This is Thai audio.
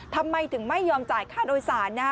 ทำไมถึงไม่ยอมจ่ายค่าโดยสารนะฮะ